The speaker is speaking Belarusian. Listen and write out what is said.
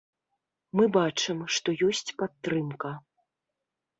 Мы бачым, што ёсць падтрымка.